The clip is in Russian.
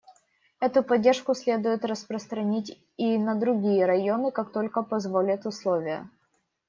Эту поддержку следует распространить и на другие районы, как только позволят условия.